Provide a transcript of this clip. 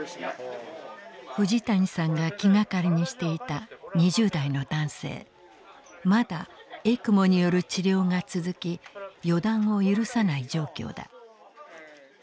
藤谷さんが気がかりにしていたまだＥＣＭＯによる治療が続き予断を許さない状況だ。